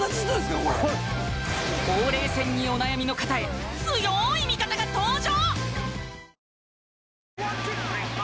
これほうれい線にお悩みの方へ強い味方が登場！